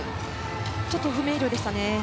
ちょっと不明瞭でしたね。